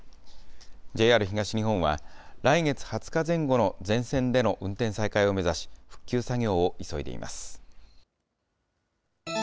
ＪＲ東日本は、来月２０日前後の全線での運転再開を目指し、復旧作業を急いでいます。